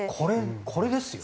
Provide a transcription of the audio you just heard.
これですよ。